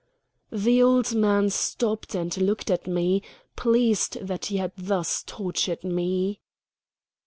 The old man stopped and looked at me, pleased that he had thus tortured me.